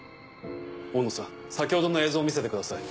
大野さん先ほどの映像を見せてください。